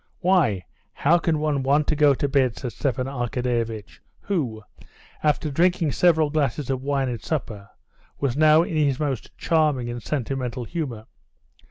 "Why, how can one want to go to bed!" said Stepan Arkadyevitch, who, after drinking several glasses of wine at supper, was now in his most charming and sentimental humor.